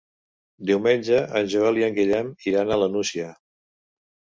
Diumenge en Joel i en Guillem iran a la Nucia.